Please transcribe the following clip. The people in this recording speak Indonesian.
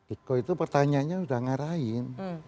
itu pertanyaannya sudah ngarahin